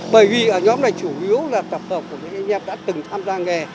bởi vì ở nhóm này chủ yếu là tập hợp của những anh em đã từng tham gia nghề